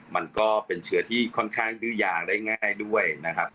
มันก็เป็นเชื้อที่ค่อนข้างดื้อยาได้ง่ายด้วยนะครับ